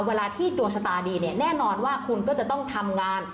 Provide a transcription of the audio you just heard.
เวลาที่ดวงชะตาดีเนี่ยแน่นอนว่าคุณก็จะต้องทำงาน